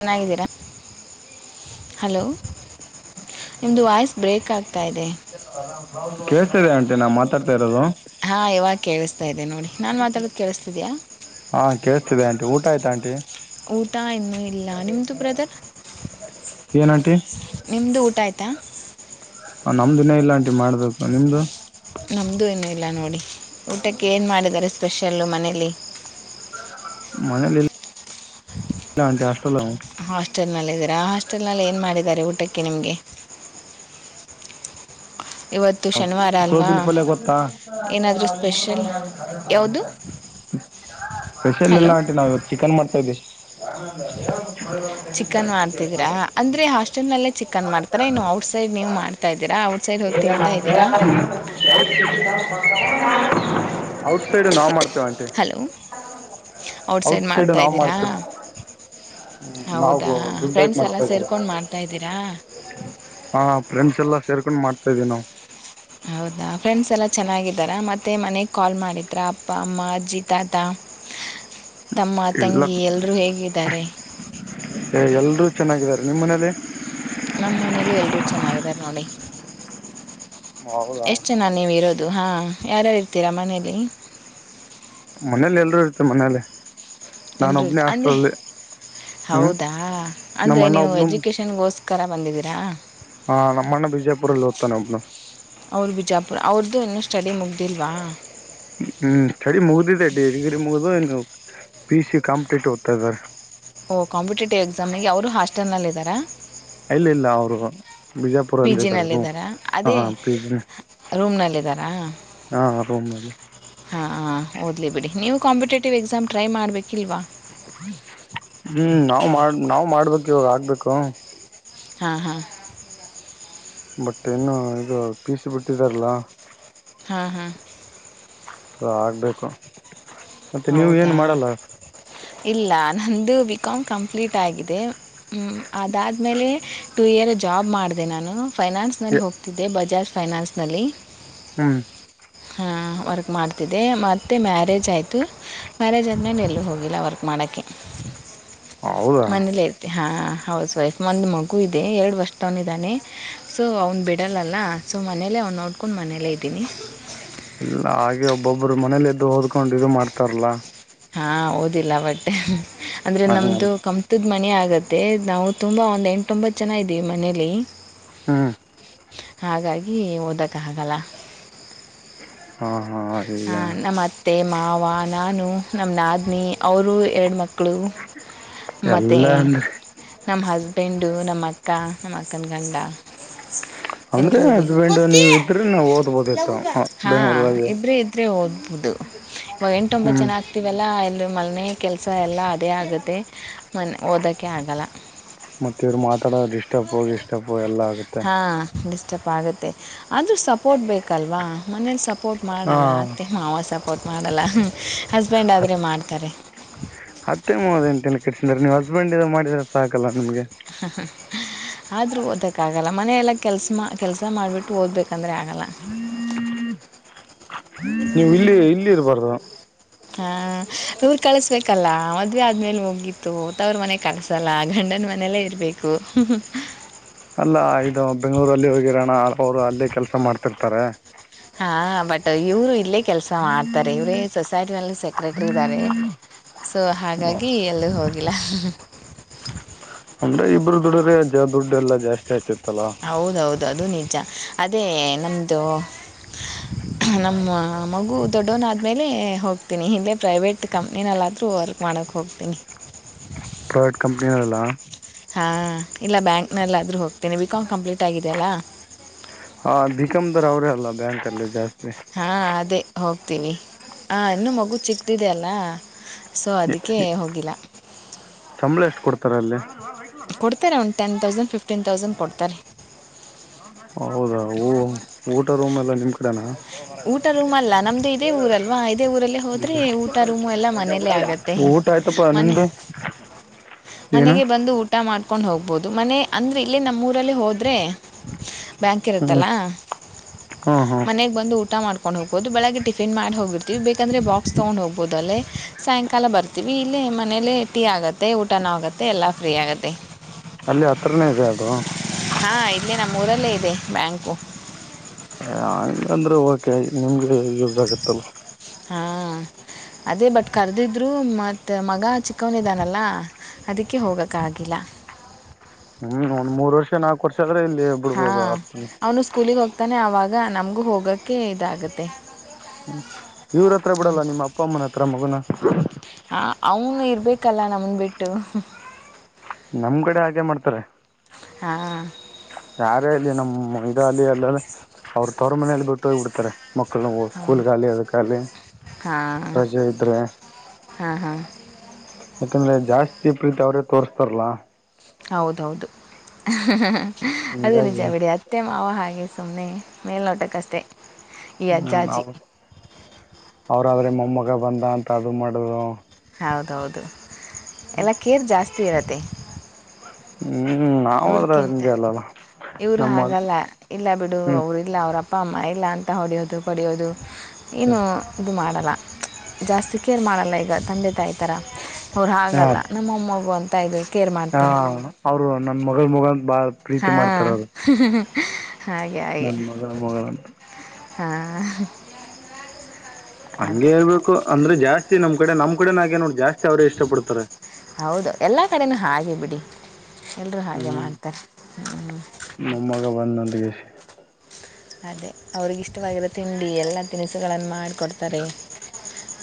ಚೆನ್ನಾಗಿದ್ದೀರಾ ಹಲೋ ನಿಮ್ದ ವಾಯ್ಸ್ ಬ್ರೇಕಕ್ ಆಗ್ತ ಕಾಯ್ದ ಕೇಳ್ತಿದೆ ಆಂಟಿ ನಾ ಮಾತಾಡ್ತಾ ಇರೋದು ಹಾ ಇವಾಗ ಕೇಳಿಸ್ತಾ ಇದೆ ನೋಡಿ ನಾನ್ ಮಾತಾಡೋದ ಕೇಳಿಸ್ತಿದ್ಯಾಾ ಹಾ ಕಿಸತಿದೆ ಆಂಟ ಊ ಆಯತಾ ಆಂಟಿ ಊಟ ಇನ್ನೂ ಇಲ್ಲ ನಿಮ್ದು ಬ್ರದರ್ ಏನಂಟಿ ನಿಮ್ದು ಊಟ ಆಯ್ತಾ ನಮ್ದ ದಿನೇ ಇಲ್ಲಾಂಟಿ ಮಾಡ್ಬೇಕು ನಿಮ್ದು ನಮ್ಮದುೂ ನೂ ಇಲ್ಲ ನೋಡಿ ಊಟಕ್ಕೆ ಏನು ಮಾಡಿದ್ದಾರೆ ಸ್ಪೆಷಲ್ಲು ಮನೇಲಿ ಮನಲಿ ಇಲ್ಲಾಂ ಹಾಟಲ್ ಹಾಸ್ಟೆಲ್ ನಲ್ಲಿ ಇದೀರಾ ಹಾಸ್ಟೆಲ್ ನಲ್ಲಿ ಏನ್ ಮಾಡಿದಿದ್ದಾರೆ ಊಟಕ್ಕೆ ನಿಮ್ಗೆ ಇವತ್ತು ಶನಿವಾರ ಅಲ್ವಾ ಸೋಬಿಲ್ ಪಲ್ಯ ಗೊತ್ತಾ ಏನಾದರೂ ಸ್ಪೆಷಲ್ ಯಾಾವದು ಸ್ಪೆಷಲ್ ಇಲ್ಲ ಆಂಟಿ ನಾವ ಇವತ್ತು ಚಿಕನ್ ಮಾಡ್ತಾ ಇದಿದ್ದವಿ ಚಿಕನ್ ಮಾಡ್ತಿದ್ರಾ ಅಂದ್ರೆ ಹಾಸ್ಟೆಲ್ ನಲ್ಲೇ ಚಿಕನ್ ಮಾಡತಾರ ಇನ್ನು ಔಟ್ ಸೈಡ್ ನೀವು ಮಾಡ್ತ ಇದೀರ ಔಟ್ ಸೈಡ್ ಹೋಗ ತಿಂತಾ ಇದ ಔಟ್ ಸೈಡ್ ನಾವು ಮಾಡ್ತೇವಿ ಂಟ ಹಲೋ ಔಟ್ ಸೈಡ್ ನಾವು ಮಾಡ್ತೇವೆ ಹ್ಮ ನಾವುು ಹೌದಾ ದುಂಡಾಕ್ ಫ್ರೆಂಡ್ಸ್ ಎಲ್ಲ ಮಾಡ್ತಾ ಇದ್ದೀರ ಸೇರ್ಕೊಂಡು ಮಾಡ್ತಾ ಇದ್ದೀರಾ ಹಾ ಫ್ರೆಂಡ್ಸ್ ಎಲ್ಲ ಸೇರ್ಕೊಂಡ್ ಮಾಡ್ತಾ ಇದೀವಿ ನಾವು ಹೌದಾ ಫ್ರೆಂಡ್ಸ್ ಎಲ್ಲ ಚೆನ್ನಾಗಿದ್ದಾರ ಮತ್ತೆ ಮನೆ ಕಾಲ್ ಮಾಡಿದ್ರ ಅಪ್ಪ ಅಮ್ಮ ಅಜ್ಜಿ ತಾತ ತಮ್ಮ ತಂಗಿ ಎಲ್ರೂ ಹೇಗಿದ್ದಾರೆ ಏ ಎಲ್ರೂ ಚೆನ್ನಾಗಿದ್ದಾರೆ ನಿಮ್ಮ್ ಮನೇಲಿ ನಮ್ಮನೇಲ್ಲೂ ಎಲ್ರೂ ಚೆನ್ನಾಗಿದ್ದಾರೆ ನೋಡಿ ಹೌದಾ ಎಷ್ಟು ಜನ ನೀವು ಇರೋದು ಹಾ ಯಾರ್ಯಾರು ಇರ್ತೀರಾ ಮನೇಲಿ ಮನೇಲಿ ಎಲ್ರೂ ಇರುತ್ತೆ ಮನೇಲಿ ನಾನು ಎಲ್ರು ಇ ಒಬ್ಬನೇ ಅಂದ್ರೆ ಹಾಸ್ಟೆಲಲ್ಲಿ ಹ್ಮ್ ಹೌದಾ ನಮ್ಮ ಅಂದ್ರೆ ಅಣ್ಣ ನೀ ಒಬ್ನು ಎಜುಕ ನಿನ್ನಗೋಸ್ಕರ ಬಂದಿದ್ದೀರಾ. ಹಾ ನಮ್ಮಣ್ಣ ಬಿಜಾಪುರದಲ್ಲಿ ಓದ್ತಾನೆ ಒಬ್ಬನು. ಅವರು ಬಿಜಾಪುರ ಅವ್ರದ್ದು ಇನ್ನೂ ಸ್ಟಡಿ ಮುಗ್ದಿಲ್ವಾ. ಹ್ಮ್ ಸ್ಟಡಿ ಮುಗ್ದಿದೆ ಡಿಗ್ರಿ ಮುಗ್ದ ಪಿ ಸಿ ಕಾಂಪಿಟೇಟ್ ಓದ್ತಾಯಿದರೆ. ಓಹ ಕಾಂಪಿಟೇಟಿವ್ ಎಕ್ಸಾಮ್ನಿಗೆ ಅವರು ಹಾಸ್ಟೆಲ್ನಲ್ಲಿ ಇದಾರಾ. ಇಲ್ಲ ಇಲ್ಲ ಅವರು ಪಿ ಬಿಜಾಪುರಲ್ಲ ಇದಾರ್ರೇ ಜಿನಲ್ಲಿದ್ದಾರಾ ಅದೇ ಹ ಪಿಜಿ ಹಾ ಹಾ ರೂಮ್ನಲ್ಲಿ ಹಾ ಹಾ ಓದ್ಲಿ ಬಿಡಿ ನೀವು ಕಾಂಪಿಟೇಟಿವ್ ಎಕ್ಸಾಮ್ ಟ್ರೈ ಮಾಡ್ಬೇಕಿಲ್ವಾ. ಹ್ಮ್ ನಾವ್ ಮಾಡ ನಾವ ಮಾಡ್ಬೇಕು ಇವಾಗ ಆಗ್ಬೇಕು. ಹಾ ಹಾ ಬಟ್ ಏನು ಇದು ಪಿ ಸಿ ಬಿಟ್ಟಿದಾರಲ್ಲ. ಹಾ ಹಾ ಹ ಆಗಬೇಕು. ಹೌದಾ ಇಲ್ಲ ನಂದು ಬಿ ಕಾಮ್ ಕಂಪ್ಲೀಟ್ ಆಗಿದೆ. ಹು ಅದಾದ್ಮೇಲೆ ಟೂ ಇಯರ್ ಜಾಬ್ ಮಾಡಿದೆ ನಾನು. ಫೈನಾನ್ಸ್ನಲ್ಲಿ ಹೋಗ್ತಿದ್ದೆ ಬಜಾಜ್ ಫೈನಾನ್ಸ್ನಲ್ಲಿ. ಹ್ಮ್ ಹಾ ವರ್ಕ್ ಮಾಡ್ತಿದ್ದಿದೆ ಮತ್ತು ಮ್ಯಾರೇಜ್ ಆಯಿತು. ಮ್ಯಾರೇಜ್ ಆದ್ಮೇಲೆ ಎಲ್ಲ ಹೋಗಿಲ್ಲ ವರ್ಕ್ ಮಾಡೋಕ್ಕೆ ಹೌದಾ ಮನೇಲೆ ಹಾ ಹೌಸ್ ವೈಫ್ ಒಂದು ಮಗು ಇದೆ ಎರಡು ವರ್ಷದವನಿದ್ದಾನೆ ಸೊ ಅವ್ನು ಬಿಡಲ್ಲಲ್ಲ ಸೊ ಮನೆಯಲ್ಲೇ ಅವ್ ನೋಡ್ಕೊಂಡು ಮನೆಯಲ್ಲೇ ಇದ್ದೀನಿ. ಇಲ್ಲ ಹಾಗೆ ಒಬ್ಬೊಬ್ಬರು ಮನೇಲಿ ಎದ್ದು ಓದ್ಕೊಂಡ್ ಇದು ಮಾಡ್ತಾರಲ್ಲಾ. ಹಾ ಓದಿಲ್ಲ ಬಟ್ ಅಂದ್ರೆ ಹಂಗ ನಮ್ದು ಕಂಪಾನಿ. ಹದ್ ಮನ ಆಗತ್ತೆ ನಾವು ತುಂಬಾ ಒಂದ್ ಎಂಟು ತೊಂಬತ್ ಜನ ಇದೀವಿ ಮನೇಲಿ. ಹ್ಮ್ ಹಾಗಾಗಿ ಓದೋಕ್ಕೆ ಹಾಗಲ್ಲ. ಹಾ ಹಾ ಹ ಈಗ ನಮ್ಮ ಅತ್ತೆ ಮಾವ ನಾನು ನಮ್ಮ ನಾದನಿ ಅವರು ಎರಡು ಮಕ್ಕಳು. ಮಕ್ಕಳು ಮತ್ತೆ. ಎಲ್ಲ ಅಂದ್ರೆ ನಮ್ಮ ಹಸ್ಬೆಂಡು ನಮ್ಮ ಅಕ್ಕ ನಮ್ಮ ಅಕ್ಕನ ಗಂಡ. ಅಂದ್ರೆ ಎಲ್ರು ಇದೀವಿ ಹಸ್ಬೆಂಡ್ ನೀವ್ ಇದ್ರೆ ನಾವ್ ಓದ್ಬೋದಿತ್ತು ಹಾ ಬೆಂಗ್ಳೂರ್ದಾಗೆ ಇಬ್ರ ಇದ ಹೌದು ಇವಾಗ ಎಂಟ ಒಂಬತ್ತು ಹ್ಮ್ ಜನ. ಇರ್ತೀವಿ ಅಲ್ವಾ ಮಲ್ನೆಯ ಕೆಲಸ ಎಲ್ಲ ಅದೇ ಆಗುತ್ತೆ ಮನೆ ಓದೋಕ್ಕೆ ಆಗಲ್ಲ. ಮತ್ತೆವ್ರು ಮಾತಾಡೋರ ಡಿಸ್ಟರ್ಬ್ ಗಿಸ್ಟ್ರೆಬ್ವು ಎಲ್ಲ ಆಗುತ್ತೆ. ಹ ಡಿಸ್ಟರ್ಪ್ ಆಗುತ್ತೆ ಆದೂ ಸಪೋರ್ಟ್ ಬೇಕಲ್ವಾ ಮನೇಲಿ ಸಪೋರ್ಟ್ ಹಾ ಮಾಡಲ್ಲ ಅತ್ತೆ ಮಾವ ಸಪೋರ್ಟ್ ಮಾಡಲ್ಲ ಹಸ್ಬೆಂಡ್ ಆದರೆ ಮಾಡ್ತಾರೆ. ಅತ್ತೇ ಮಾವ ಎಂತಕ್ಕೆ ತಲೆ ಕೆಡಿಸ್ಕೊತಿರ ನೀವು ಹಸ್ಬೆಂಡ್ ಇದು ಮಾಡಿದ್ರೆ ಸಾಕಲ್ಲ ನಿಮ್ಗೆ. [inaudible] ಆದ್ರೂ ಓದಕ್ಕಾಗಲ್ಲ ಮನೆಯೆಲ್ಲ ಕೆಲ್ಸ ಮಾ ಕೆಲಸ ಮಾಡಿಬಿಟ್ಟು ಓದ್ಬೇಕಂದ್ರೆ ಆಗಲ್ಲ. ನೀವು ಇಲ್ಲಿ ಇಲ್ಲಿ ಇರ್ಬಾರ್ದು. ಹಾ ಇವ್ರು ಕಳಿಸಬೇಕು ಸಿಕ್ಕಲ್ಲ ಮದ್ವೆ ಆದ್ಮೇಲೆ ಮುಗ್ಗಿತ್ತು ತವರು ಮನೆ ಕಳ್ಸಲ್ಲ ಗಂಡನ ಮನೆೆಯಲ್ಲ ಇರ್ಬೇಕು. ಅಲ್ಲ ಇದು ಬೆಂಗ್ಗಳೂರಲ್ಲಿ ಹೋಗಿರೋಣ ಅವ್ರು ಅಲ್ಲೇ ಕೆಲ್ಸ ಮಾಡ್ತಿರ್ತಾರೆ ಹಾ ಬಟ್ ಇವ್ರು ಇಲ್ಲೇ ಕೆಲ್ಸ ಮಾಡ್ತಾರೆ ಇವ್ರೇ. ಸೊಸೈಟಿನಲ್ಲಿ ಸೆಕ್ರೆಟ್ರ ಇದ್ದಾರೆ ಸೊ ಹಾಗಾಗಿ ಎಲ್ಲಲೂ ಹೋಗಿಲ್ಲ. ಅಂದ್ರೆ ಇಬ್ಬರು ದೂಡುದ್ರೆ ದುಡ್ಡು ಎಲ್ಲ ಜಾಸ್ತಿ ಆಯತಿಲಾ. ಹೌದೌದು ಅದು ನಿಜ ಅದೇ ನಮ್ದು. ನಮ್ಮ ಮಗು ದೊಡ್ಡವನ ಆದ್ಮೇಲೆ ಹೋಗ್ತೀನಿ ಹಿಂದೆ ಪ್ರೈವೇಟ್. ಕಂಪನಿನಲ್ಲಾದರೂ ವರ್ಕ್ ಮಾಡಕ್ಕೆ ಹೋಗ್ತೀನಿ. ಪ್ರೈವೆಟ್ ಕಂಪನಿನಲ್ಲ. ಹಾ ಇಲ್ಲ ಬ್ಯಾಂಕ್ನಲ್ಲಾದ್ರೂ ಹೋಗ್ತೇನೀ ಬಿಕಾಂ ಕಂಪ್ಲೀಟ್ ಆಗಿದೆಯಲ್ಲಾ. ಹಾ ಬಿಕಾಂದರ ಅವ್ರೇ ಅಲ್ಲ ಬ್ಯಾಂಕ ಅಲ್ಲಿ ಜಾಸ್ತಿ. ಹಾ ಅದೇ ಹೋಗ್ತೀವಿ ಹಾ ಇನ್ನೂ ಮಗು ಚಿಕ್ತಿದೆಯಲ್ಲ. ಸೊ ಎ- ಅದಕ್ಕೆ ಎ- ಹೋಗಿಲ್ಲ. ಸಂಬಳ ಎಷ್ಟು ಕೊಡ್ತಾರೆ ಅಲ್ಲಿ ಕೊಡ್ತಾರೆ one ten thousand fifteen thousand ಕೊಡತಾರೆ. ಹೌದಾ ಊಟ ರೂಮ್ ಎಲ್ಲ ನಿಮ್ ಕಡೆನಾ. ಊಟ ರೂಮ್ ಅಲ್ಲ ನಮ್ದು ಇದೇ ಊರಲ್ವಾ ಇದೇ ಊರಲ್ಲ ಹೋದ್ರೆ ಊಟ ರೂಮು ಎಲ್ಲ ಮನೇಲ್ಲೇ ಆಗದು. ಊಟ ಆಯ್ತಪ್ಪ ನಿಮ್ದು. ಏನು ಮನೆಗೆ ಬಂದು ಊಟ. ಊಟ ಮಾಡ್ಕೊಂಡ್ ಹೋಗ್ಬೋದು ಮನೆ ಅಂದ್ರೆ ಇಲ್ಲೇ ನಮ್ಮೂರಲ್ಲಿ ಹೋದ್ರೆ. ಬ್ಯಾಂಕ್ ಹ್ಮ್ ಇರುತ್ತಲ್ಲ ಹಾಂ ಹಾಂ ಮನೆಗೆ ಬಂದು ಊಟ. ಊಟ ಮಾಡ್ಕೊಂಡ್ ಹೋಗಬಹುದು ಬೆಳಗ್ ಟಿಪೀನ್ ಮಾಡಿ ಹೋಗಿರತಿವಿ ಬೇಕಂದೆ ಬಾಕ್ಸ್ ತೊಗೊಂಡಹೊ ಗಬಹುದ ಅಲ್ಲೆ. ಸಾಯಂಕಾಲ ಬರ್ತೀವಿ ಇಲ್ಲಿ ಮನೇಲಿ ಟೀ ಆಗುತ್ತೆ ಊಟನೂ ಆಗುತ್ತೆ ಎಲ್ಲ ಫ್ರೀ ಆಗುತ್ತೆ. ಅಲ್ಲಿ ಹತ್ರನೇ ಇದೆ ಅದು. ಹಾ ಇಲ್ಲಿ ನಮ್ಮೂರಲ್ಲೇ ಇದೆ ಬ್ಯಾಂಕು. ಹಂಗ ಅಂದ್ರೆ ಓಕೆ ನಿಮ್ಗೆ ಯೂಸ್ ಆಗತ್ತಲ್. ಹಾ ಅದೇ ಬಟ್ ಕರ್ದಿದ್ರು ಮತ್ತೆ ಮಗ ಚಿಕ್ಕವನಿದ್ದಾನಲ್ಲ. ಅದಕ್ಕೆ ಹೋಗೋಕ್ಕಾಗಿಲ್ಲ. ಹ್ಮ್ ಒಂದ್ ಮೂರ್ ವರ್ಷ ನಾಲ್ಕು ವರ್ಷ ಆದ್ರೆ ಇಲ್ಲಿ. ಹಾ ಬಿಡ್ಬೋದು ಆಪ್ಷನ್ ಅವನು ಸ್ಕೂಲಿಗೆ ಹೋಗ್ತಾನೆ ಆವಾಗ ನಮಗೂ ಹೋಗೋಕ್ಕೆ ಇದಾಗುತ್ತೆ. ಹ್ಮ ಇವ್ರತ್ರ ಬಿಡಲ್ಲ ನಿಮ್ಮ ಅಪ್ಪ ಅಮ್ಮನ ಹತ್ರ ಮಗನ. ಹ ಅವನು ಇರ್ಬೇಕಲ್ಲ ನಮನ್ ಬಿಟ್ಟು. ನಮ್ ಕಡೆ ಹಾಗೆ ಮಾಡ್ತಾರೆ. ಹಾ. ಯಾರೇ ಅಲ್ಲಿ ನಮ್ಮ್ ಮಂದಿ ಅಲ್ಲಿ ಅಲ್ಲ ಅವ್ರರು ತವರ ಮನೆಲಿ ಬಿಟ್ಟು ಹೋಗ ಬಿಡ್ತಾರೆ. ಮಕ್ಕಳು ಸ್ಕೂಲ್ಗಾಲಿ ಅದಕ್ಕಾಲ ರಜೆ ಇದ್ರೆ. ಹಾ ಹಾ. ಯಾಕಂದ್ರೆ ಜಾಸ್ತಿ ಪ್ರೀತಿ ಅವರೇ ತೋರಿಸ್ತಾರಲ್ಲ. ಹೌದೌದು ಹ ಹ ಹ ಅದು ನಿಜ ಹಿಂಗಾಗಿ ಬಿಡಿ ಆಯತ. ಅತ್ತೆ ಮಾವ ಹಾಗೆ ಸುಮ್ಮನೆ ಮೇಲ್ ನೋಡಬೇಕ್ಕಷ್ಟೇ. ಹ್ಮ್ ಅವ್ರಾದ್ರೆ ನಮ್ಮಗ ಬಂದ ಅಂತ ಅದು ಮಾಡು. ಹೌದೌದು ಎಲ್ಲ ಕೇರ್ ಜಾಸ್ತಿ ಇರತ್ತೆ. ಹ್ಮ್ ನಾವಾದ್ರೆ ಇವ್ರಕಿಂತ ಹಂಗೆ ಅಲ್ಲಲ್ಲ ಇವರು ನಮ್ಮ ಹಾಗಲ್ಲ. ಇಲ್ಲ ಬಿಡು ಹ್ಮ್ ಅವರಿಲ್ಲ ಅವರ ಅಪ್ಪ ಅಮ್ಮ ಇಲ್ಲ ಅಂತ ಹೊಡೆಯೋದು ಪಡೆಯೋದು ಏನು. ಇದು ಮಾಡಲ್ಲ ಜಾಸ್ತಿ ಕೇರ್ ಮಾಡಲ್ಲ ಈಗ ತಂದೆ ತಾಯಿ ಥರ. ಅವ್ರು ಹಾಗಲ್ಲ ನಮ್ಮಮ್ಮಗ ಅಂತ ಇದ. ಹಾ ಅವರು ನನ್ ಮಗಳ ನೋಡಣ ಬಾ. ಹಾ ಹ ಹಾ ಹಾಗೆ ಹಾಗೆ. ಇವರ ಮಗಳ [unintelligible] ಹಾ ಅಂಗೆ ಹೇಳ್ಬೇಕು ಅಂದ್ರೆ ಜಾಸ್ತಿ ನಮ್ ಕಡೆ ನಮ್ ಕಡೆನಾಗೇ ನೋಡ ಜಾಸ್ತಿ ಅವ್ರೇ ಇಷ್ಟ ಪಡ್ತಾರೆ ಹೌದು ಎಲ್ಲಾ ಕಡೆನೂ ಹಾಗೆ ಬಿಡಿ ಎಲ್ರರು ಹಾಗೆ ಮಾಡ್ತಾರೆ ಮಮ್ಮಗೆ ಬಂದುಂತಕಿಸಿ ಅದೇ ಅವ್ರಿಗೆ ಇಷ್ಟವಾಗಿರೋ ತಿಂಡಿ ಎಲ್ಲ ತಿನಿಸುಗಳನ್ನು ಮಾಡಿಕೊಡ್ತಾರೆ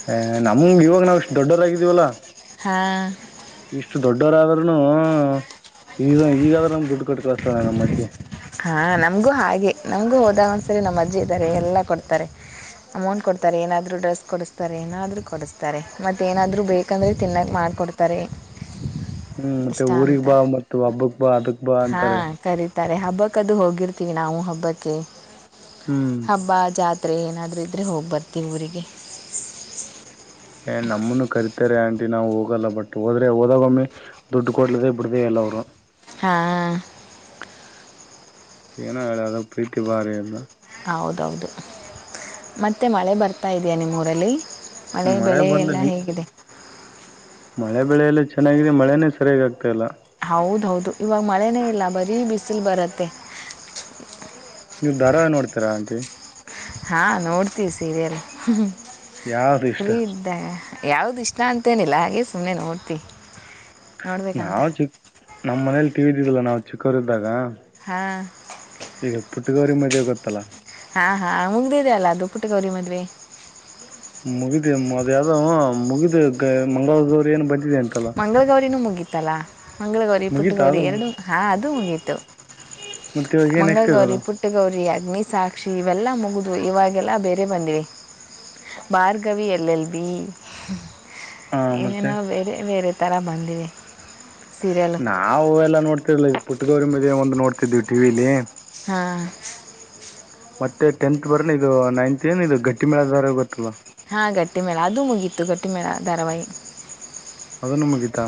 ಹ ನಮ್ಗೆ ಇವಾಗ ನಾವವು ಇಷ್ಟು ದೊಡ್ಡರಾಗಿದೀವಲ್ಲ ಹಾ ಇಷ್ಟು ದೊಡ್ಡವರಾದ್ರರುನು ಈಗ ಈಗಾದ್ರೂ ದುಡ್ಡು ಕಟ್ ಕಳಸ್ತಾನ ನಮ್ಮ್ ಅಜ್ಜೆ ಹಾ ನಮ್ಗೂ ಹಾಗೆ ನಮ್ಗೂ ಹೋದಾಗ ಒಂದ್ಸರಿ ನಮ್ಮ್ ಅಜ್ಜಿ ಇದ್ದಾರೆ ಎಲ್ಲಾ ಕೊಡ್ತಾರೆ ಅಮೌಂಟ್ ಕೊಡ್ತಾರೆ ಏನಾದ ಡ್ರೆಸ್ ಕೊಡಿಸ್ತಾರೆ ಏನಾದ ಕೊಡಿಸ್ತಾರೆ ಮತ್ತೆ ಏನಾದ್ರು ಬೇಕ ಯಾಕಂದ್ರೆ ತಿನ್ನಕ ಮಾಡಿಕೊಡ್ತಾರೆ ಹ್ಮ್ ಮತ್ತೆ ಇಷ್ಟ ಊರಿಗ ಅಂತ ಬಾ ಮತ್ತ ಒಬ್ಬಕ್ ಬಾ ಅದಕ್ ಬಾ ಅಂತಾರೆ ಹಾಂ ಕರೀತಾರೆ ಹಬ್ಬಕ್ಕದು ಹೋಗಿರ್ತೀವಿ ನಾವು ಹಬ್ಬಕ್ಕೆ ಹ್ಮ್ ಹಬ್ಬ ಜಾತ್ರೆ ಏನಾದರೂ ಇದ್ದರೆ ಹೋಗಿ ಬರ್ತೀವಿ ಊರಿಗೆ ಏ ನಮ್ಮನ್ನು ಕರಿತಾರೆ ಆಂಟಿ ನಾವು ಹೋಗಲ್ಲ ಬಟ್ ಹೋದ್ರೆ ಹೋದಾಗೊಮ್ಮೆ ದುಡ್ಡು ಕೊಡ್ಲದೇ ಬಿಡಿದೆ ಎಲ್ಲ ಅವರು ಹಾ ಏನೋ ಹೇಳೋ ಅದು ಪ್ರೀತಿ ಭಾರಿ ಅಂತ ಹೌದೌದು ಮತ್ತೆ ಮಳೆ ಬರ್ತಾ ಇದೆಯಾ ನಿಮ್ಮ ಊರಲ್ಲಿ ಮಳೆ ಬೆಳೆ ಬಂದು ಎಲ್ಲ ನೀ ಹೇಗಿದೆ ಮಳೆ ಬೆಳೆ ಎಲ್ಲ ಚೆನ್ನಾಗಿದೆ ಮಳೆನೇ ಸರಿಯಾಗಿಾಗ ಆತಾಲ್ಲ ಹೌದ ಹೌದು ಇವಾಗ ಮಳೆನೇ ಇಲ್ಲ ಬರೀ ಬಿಸಿಲು ಬರುತ್ತೆ ನೀವು ದರ ನೋಡ್ತೀರಾ ಆಂಟಿ ಹಾಂ ನೋಡ್ತೀವಿ ಸೀರಿಯಲ್ ಯಾವ್ದು ಇಷ್ಟ ಅಲೀ ಅಾಗ ಯಾವ್ದು ಇಷ್ಟ ಅಂತೇನಿಲ್ಲ ಹಾಗೆ ಸುಮ್ಮನೆ ನೋಡ್ತಿ ನಾವ್ ಚಿಕ್ಕ ನಮ್ಮ್ ಮನೇಲಿ ಟಿವ ಇದ್ದಿದ್ದ್ಲ್ಲ ನಾವ್ ಚಿಕ್ಕವರು ಇದ್ದಾಗ ಹಾಂ ಈಗ ಪುಟ್ಗೌರಿ ಮದುವೆ ಗೊತ್ತಲ್ಲಾ ಹಾ ಹಾ ಮುಂಗ್ದಿದಿದೆ ಅಲ್ಲ ದು ಪುಟ್ಟ ಗೌರಿ ಮದ್ವಿ ಮುಗಿದಮ್ಮ ಅದ ಯಾವಾವ ಮುಗಿದು ಮಂಗಳಾರದವರು ಏನ್ ಬ ಮಂಗಳಗೌರಿನೂ ಮುಗೀತಲ್ಲಾ ಮಂಗಳಗೌರಿ ಮುಗೀತಾ ಪುಟ್ಟಗೌರಿ ಅದನ್ನು ಎರಡು ಹಾ ಅದು ಮುಗೀತು ಮತ್ತು ಇವಾಗ ಏನು ನೆಕ್ಸ್ಟ್ ಮಂಗಳಗೌರಿ ಇರೋದು ಪುಟ್ಟ ಪಟಗೌರಿ ಅಗ್ನಿಸಾಕ್ಷಿ ಇವೆಲ್ಲ ಮುಗಿದು ಇವಾಗೆಲ್ಲ ಬೇರೆ ಬಂದಿವವಿ ಭಾರ್ಗವಿ ಎಲ್ ಎಲ್ ಬಿ ಹಾಂ ಮತ್ತು ನೇನು ಬೇರೆ ಬೇರೆ ಥರ ಬಂದಿವೆ ಸೀರಿಯಲು ನಾವವು ಎಲ್ಲ ನೋಡ್ತಿರ್ಲಿಲ್ಲ ಪುಟ್ಟಗವರಿ ಮ ಒಂದು ನೋಡ್ತಿದ್ವಿ ಟಿಲಿ ಹಾ ಮತ್ತೆ ಟೆಂತ್ ಬರ ಇದು ನೈನ್ತ್ ಏನು ಇದು ಗಟ್ಟಿ ಮೇಳ ದಾರ ಗೊತ್ತಲ್ಲ ಹಾಂ ಗಟ್ಟಿ ಮೇಳ ಅದು ಮುಗಿಯತ್ತು ಗಟ್ಟಿ ಮೇಳ ಧಾರಾವಾಹಿ ಅದನ್ನು ಮುಗಿದ್ದ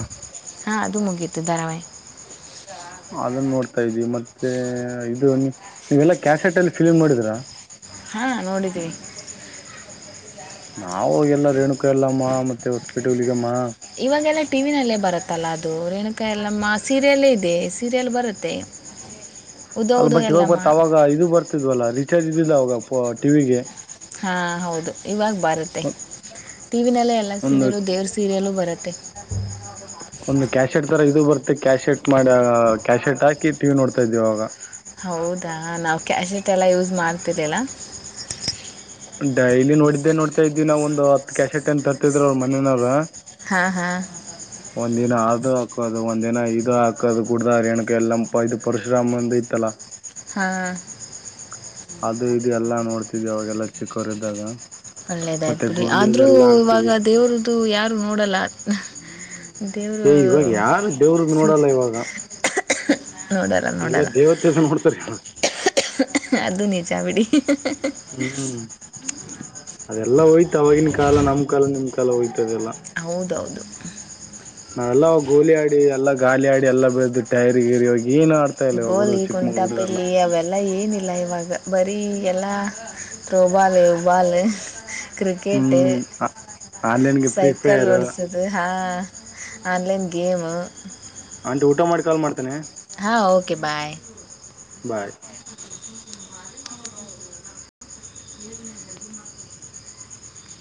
ಹಾ ಅದನ್ನ ನೋಡ್ತಾ ಇದೀವಿ ಮತ್ತೆ ಇದು ನೀವೆಲ್ಲಾ ಕ್ಯಾಾಸಟ್ ಅಲ್ಲಿ ಫಿಲ್ಮ್ ಮಾಡಿದ್ರಾ ಹಾಂ ನೋಡಿದ್ದೀವಿ ನಾವವು ಎಲ್ಲ ರೇಣುಕಾ ಎಲ್ಲಮ್ಮ ಮತ್ತೆ ಹೊಸ್ಪೇಟೆಗಮ್ಮ ಇವಾಗೆಲ್ಲ ಟಿ ವಿ ನಲ್ಲೇ ಬರುತ್ತಲ್ಲ ಅದು ರೇಣುಕಾ ಎಲ್ಲಮ್ಮ ಸೀರಿಯಲ್ಲೇ ಇದೆ ಸೀರಿಯಲ್ ಬರುತ್ತೆ. [inaudible] ಅಲ್ ಬಟ್ ಇವಾಗ ಯಲ್ಲಮ್ಮ ಬರ್ ಅವಾಗ ಇದು ಬರ್ತಿದ್ವಲ್ಲ ರೀಚಾರ್ಜ್ ಇದ್ದಿದ್ದ ಅವಾಗ ಟಿವಿಗೆ. ಹಾ ಹೌದು ಇವಾಗ ಬರುತ್ತೆ. ಟಿ ವಿ ನಲ್ಲೇ ಎಲ್ಲ ಒಂದು ಸೀರಿಯಲ್ಲೂ ದೇವ್ರ ಸೀರಿಯಲ್ಲೂ ಬರುತ್ತೆ. ಒಂದು ಕ್ಯಾಶೆಟ್ ತರ ಇದು ಬರ್ತ್ತೆ ಕ್ಯಾಶೆಟ್ ಮಾಡಿ ಕ್ಯಾಶೆಟ್ ಹಾಕಿ ಟಿ ವಿ ನೋಡ್ತಾ ಇದ್ವಿ ಅವಾಗ. ಹೌದಾ ನಾವು ಕ್ಯಾಶೆಟ್ ಎಲ್ಲಾ ಯೂಸ್ ಮಾಡ್ತಿದ್ದಿಲ್ಲಾ. ಡೈಲಿ ನೋಡಿದ್ದೆ ನೋಡ್ತಾ ಇದ್ವಿ ನಾವ ಒಂದು ಹತ್ತು ಕ್ಯಾಶೆಟ್ ಏನ್ ತತಿದ್ರ ಮನೆನವರು. ಹಾ ಹಾ ಒಂದ್ ದಿನ ಆದು ಹಾಕೋದು ಒಂದಿನ ಇದು ಹಾಕೋದು ಕುೂಡ್ದ ರೇಣುಕಾ ಯಲ್ಲಮ್ಮ ಇದು ಪರಶುರಾಮಂದು ಇತ್ತಲ್ಲ. ಹಾ ಅದು ಇದು ಎಲ್ಲ ನೋಡ್ತಿದ್ವಿ ಅವಾಗೆಲ್ಲ ಚಿಕ್ಕಅವ್ರು ಇದ್ದಾಗ. ಒಳ್ಳೇದಾಯ್ತು ಬಿಡಿ ಆದರೂ ಇವಾಗ ದೇವ್ರದ್ದು ಯಾರು ನೋಡಲ್ಲ. ದೇವರು ಏ ಇವಾಗ ಯಾರು ದೇವ್ರ್ದ ಸಿ ನೋಡಲ್ಲ ಇವಾಗ. [inaudible] ಎಲ್ಲಾ ನೋಡಲ್ಲ ದೇವತೆದ ನೋಡ್ತಾರೆ. ಅದು ನಿಜ ಬಿಡಿ. ಹ್ಮ್ ಅದೆಲ್ಲ ಹೋಯ್ತ ಆವಾಗಿನ ಕಾಲ ನಮ್ ಕಾಲ ನಿಮ್ ಕಾಲ ಹೋಯ್ತ ಅದೆಲ್ಲ. ಹೌದೌದು. ನಾವೆಲ್ಲ ಗೋಲಿ ಆಡಿ ಎಲ್ಲ ಗಾಲೀ ಆಡಿ ಎಲ್ಲ ಬೆದ ಟೈರ್ ಗೀರ ಹೋಗಿ ಏನ್ ಆಡ್ತಾ ಇಲ್ಲವ ಹುಡು ಚಿಕ್ಕ ಮಕ್ಕಳು ಹುಡುಗರುಯೆಲ್ಲಾ. ಎಲ್ಲ ಏನಿಲ್ಲ ಇವಾಗ ಬರೀ ಎಲ್ಲ ಥ್ರೋ ಬಾಲ್ ಯ ಬಾಲು ಕ್ರಿಕೆಟ್ ಹ್ಞೂ ಆನ್ಲೈನ್ಗೆ ಫ್ರೀ ಸೈಕಲ ಫೈರ್ ಹೊಡಿಸೋದು. ಅದು ಹಾ ಆನ್ಲೈನ್ ಗೇಮು. ಆಂಟಿ ಊಟ ಮಾಡಿ ಕಾಲ್ ಮಾಡ್ತೇನೆ. ಹಾಂ ಓಕೆ ಬಾಯ್. ಬಾಯ್.